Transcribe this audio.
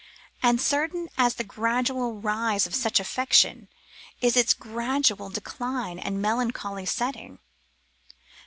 And certain as the gradual rise of such affection is its gradual decline and melancholy setting.